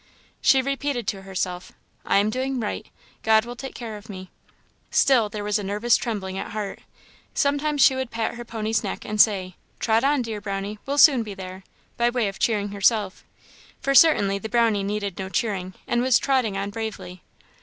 She repeated to herself, "I am doing right God will take care of me." Still there was a nervous trembling at heart. Sometimes she would pat her pony's neck, and say, "Trot on, dear Brownie, we'll soon be there!" by way of cheering herself: for certainly the Brownie needed no cheering, and was trotting on bravely.